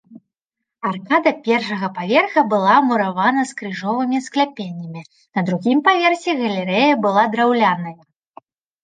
Аркада першага паверха была муравана з крыжовымі скляпеннямі, на другім паверсе галерэя была драўляная.